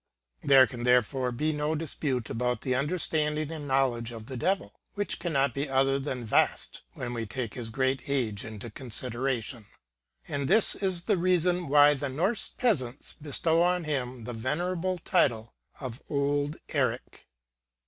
* There .can therefore be no dispute about the understanding and knowledge of the Devil, which cannot be other than vast, when we take his great age into consideration; and this is the reason why the Norse peasants bestow upon him the venerable title of Old Erik.